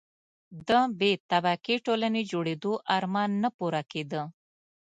د بې طبقې ټولنې جوړېدو آرمان نه پوره کېده.